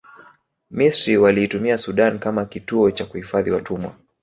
misri waliitumia sudan kama kituo cha kuhifadhi watumwa